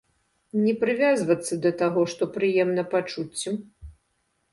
Не прывязвацца да таго, што прыемна пачуццям.